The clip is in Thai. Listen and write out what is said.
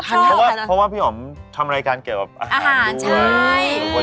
เพราะว่าพี่อ๋อมทำรายการเกี่ยวกับอาหารด้วย